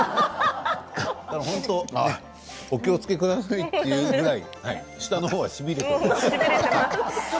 本当お気をつけくださいっていうぐらい舌のほうがしびれている。